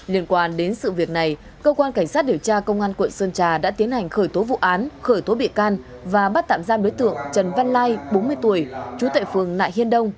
liên quan đến sự việc này cơ quan cảnh sát điều tra công an quận sơn trà đã tiến hành khởi tố vụ án khởi tố bị can và bắt tạm giam đối tượng trần văn lai bốn mươi tuổi trú tại phường nại hiên đông